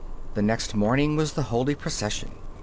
The next morning was the holy procession.